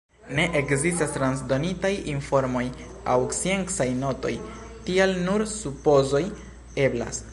Ne ekzistas transdonitaj informoj aŭ sciencaj notoj, tial nur supozoj eblas.